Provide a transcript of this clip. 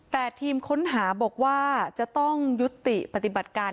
แต่ทีมค้นหาบอกว่าจะต้องยุติปฏิบัติการ